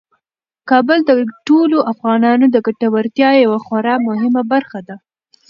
کابل د ټولو افغانانو د ګټورتیا یوه خورا مهمه برخه ده.